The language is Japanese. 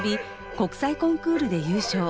国際コンクールで優勝。